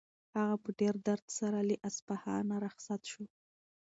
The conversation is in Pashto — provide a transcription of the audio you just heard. هغه په ډېر درد سره له اصفهانه رخصت شو.